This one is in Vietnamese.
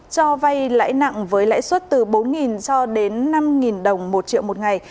cho vay lãi nặng với lãi suất từ bốn cho đến năm đồng một triệu một ngày